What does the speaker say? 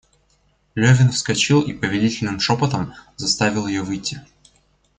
Левин вскочил и повелительным шопотом заставил ее выйти.